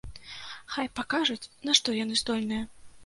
Хай пакажуць на што яны здольныя.